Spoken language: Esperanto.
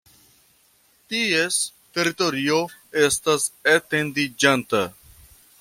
Ties teritorio estas etendiĝanta.